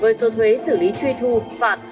với số thuế xử lý truy thu phạt